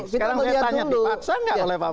sekarang saya tanya dipaksa tidak oleh pak menteri